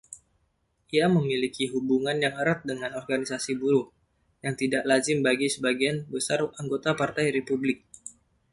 Ia memiliki hubungan yang erat dengan organisasi buruh, yang tidak lazim bagi sebagian besar anggota partai Republik.